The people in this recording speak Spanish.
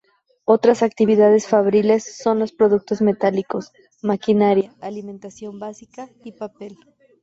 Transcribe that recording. Otras actividades fabriles son los productos metálicos, maquinaria, alimentación básica y papel.